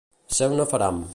Ser un afaram.